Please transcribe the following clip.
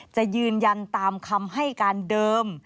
จะยืนยันตามคำให้การเดิม